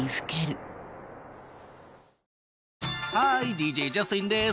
ＤＪジャスティンです。